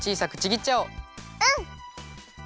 うん！